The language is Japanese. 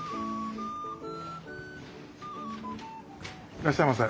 いらっしゃいませ。